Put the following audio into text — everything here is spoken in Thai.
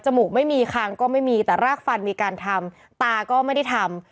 มูกไม่มีคางก็ไม่มีแต่รากฟันมีการทำตาก็ไม่ได้ทำ